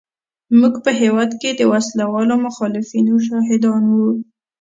موږ په هېواد کې د وسله والو مخالفینو شاهدان وو.